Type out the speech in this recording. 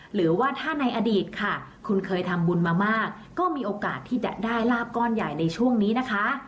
หรือว่าถ้าในอดีตค่ะคุณเคยทำบุญมามากก็มีโอกาสที่จะได้ลาบก้อนใหญ่ในช่วงนี้นะคะ